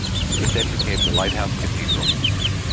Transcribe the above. It then became the Lighthouse Cathedral.